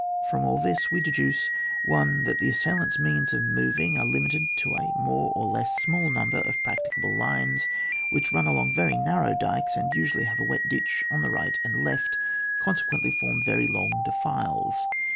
From all this we deduce— 1. That the assailant's means of mov ing are limited to a more or less small number of practicable lines, which run along very narrow dykes, and usually have a wet ditch on the right and left, consequently form very long defiles.